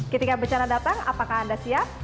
ketika bencana datang apakah anda siap